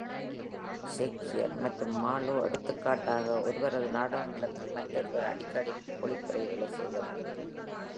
Shakespeare மற்றும் Marlowe, எடுத்துக்காட்டாக, ஒருவரது நாடகங்களுக்கு மற்றொருவர் அடிக்கடி பொழிப்புரை செய்தனர்.